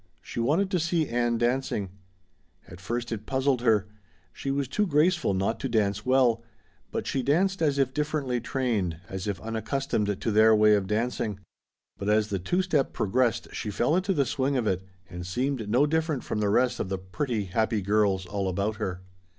She wanted to see Ann dancing. At first it puzzled her; she was too graceful not to dance well, but she danced as if differently trained, as if unaccustomed to their way of dancing. But as the two step progressed she fell into the swing of it and seemed no different from the rest of the pretty, happy girls all about her.